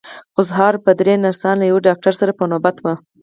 خو سهار به درې نرسان له یوه ډاکټر سره په نوبت وو.